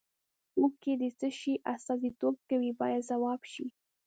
اوښکې د څه شي استازیتوب کوي باید ځواب شي.